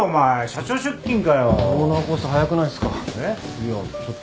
いやちょっとね。